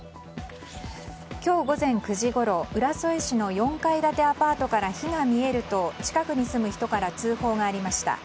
今日午前９時ごろ浦添市の４階建てアパートから火が見えると、近くに住む人から通報がありました。